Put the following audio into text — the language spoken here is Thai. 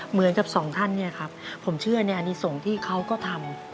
เหมือนกับสองท่านเนี่ยครับผมเชื่อในอนิสงฆ์ที่เขาก็ทำ